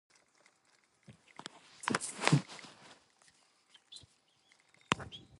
His main position is lock.